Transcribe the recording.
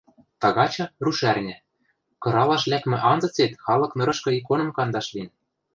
Тагачы – рушӓрня, кыралаш лӓкмӹ анзыцет халык нырышкы иконым кандаш лин.